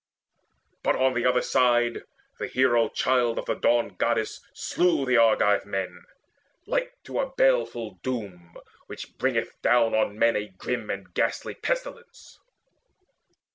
But on the other side the hero child Of the Dawn goddess slew the Argive men, Like to a baleful Doom which bringeth down On men a grim and ghastly pestilence.